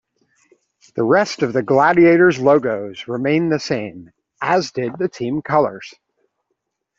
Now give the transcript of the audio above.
The rest of the Gladiators logos remained the same, as did the team colors.